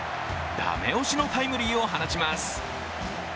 ダメ押しのタイムリーを放ちます。